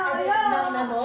なんなの？